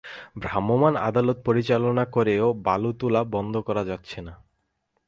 ভ্রাম্যমাণ আদালত পরিচালনা করেও বালু তোলা বন্ধ করা যাচ্ছে না।